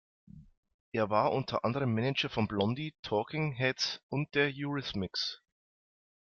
Er war unter anderem Manager von Blondie, Talking Heads und der Eurythmics.